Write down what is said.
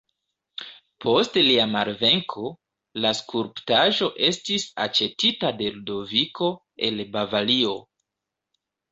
Post lia malvenko, la skulptaĵo estis aĉetita de Ludoviko el Bavario.